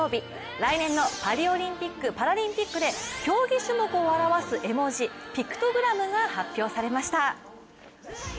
来年のパリオリンピックパラリンピックで、競技種目を表す絵文字ピクトグラムが発表されました。